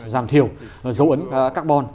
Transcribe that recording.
giảm thiểu dấu ấn carbon